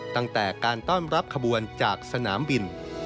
ตั้งแต่การต้อนรับขบวนจากสนามบิน